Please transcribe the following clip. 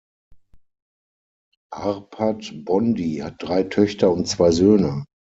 Arpad Bondy hat drei Töchter und zwei Söhne.